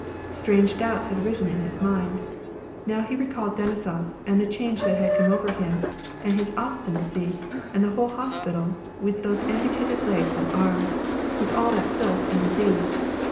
Strange doubts had risen in his mind. Now he recalled Deni sof and the change that had come over him, and his obstinacy, and the whole hospital, with those amputated legs and arms, with all that filth and disease.